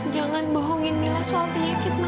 jangan bohongin mila soal penyakit